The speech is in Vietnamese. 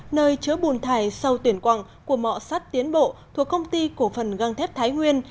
nơi chứa bùn thải sau tuyển quặng của mọ sắt tiến bộ thuộc công ty cổ phần găng thép thái nguyên